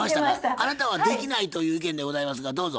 あなたはできないという意見でございますがどうぞ。